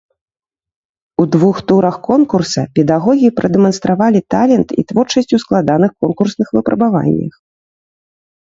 У двух турах конкурса педагогі прадэманстравалі талент і творчасць у складаных конкурсных выпрабаваннях.